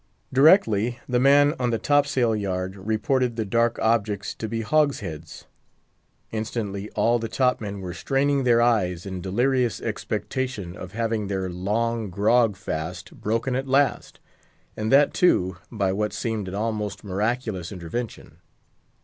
Directly the man on the top sail yard reported the dark objects to be hogsheads. Instantly all the top men were straining their eyes, in delirious expectation of having their long grog fast broken at last, and that, too, by what seemed an almost miraculous intervention.